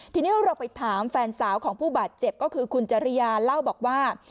ทีนี้เราไปถามแฟนสาวของผู้บาดเจ็บก็คือคุณจริยาเล่าบอกว่า